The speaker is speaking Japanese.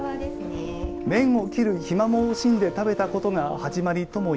麺を切る暇も惜しんで食べたことが始まりとも